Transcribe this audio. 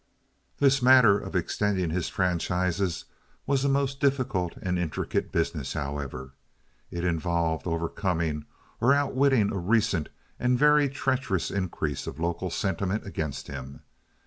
This matter of extending his franchises was a most difficult and intricate business, however. It involved overcoming or outwitting a recent and very treacherous increase of local sentiment against him.